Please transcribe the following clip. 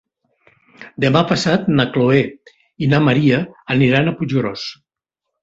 Demà passat na Chloé i na Maria aniran a Puiggròs.